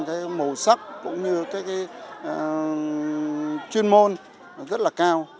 cái màu sắc cũng như cái chuyên môn rất là cao